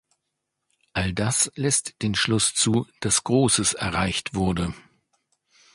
All das lässt den Schluss zu, dass Großes erreicht wurde.